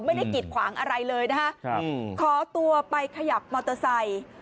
ไม่ได้กิดขวางอะไรเลยนะฮะขอตัวไปขยับมอเตอร์ไซค์